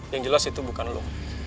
yang jelas itu bukan lo